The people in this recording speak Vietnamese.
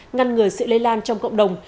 ngăn ngừa sự lây lan trong cộng đồng